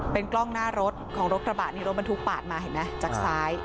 เป็นกล้องหน้ารถของรถกระบะนี่รถบรรทุกปาดมาเห็นไหมจากซ้าย